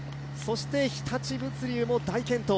日立物流も大健闘。